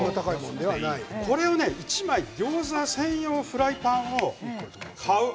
これを１枚ギョーザ専用フライパンを買う。